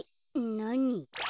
なに？